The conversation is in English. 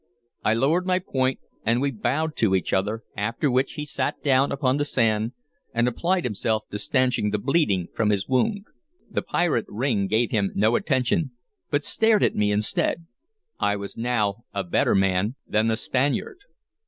I lowered my point and we bowed to each other, after which he sat down upon the sand and applied himself to stanching the bleeding from his wound. The pirate ring gave him no attention, but stared at me instead. I was now a better man than the Spaniard.